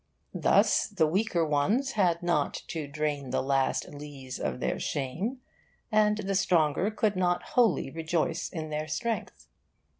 Thus the weaker ones had not to drain the last lees of their shame, and the stronger could not wholly rejoice in their strength.